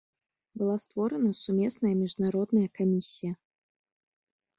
Была створана сумесная міжнародная камісія.